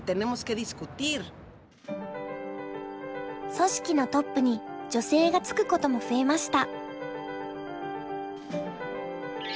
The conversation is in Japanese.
組織のトップに女性が就くことも増えました。